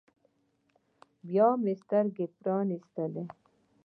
بيا مې سترګې پرانيستلې.